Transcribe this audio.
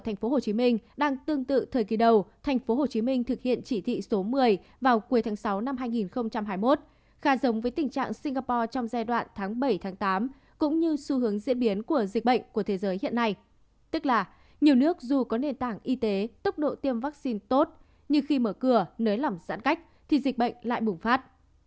nhưng khi mở cửa nới lỏng giãn cách thì dịch bệnh lại bùng phát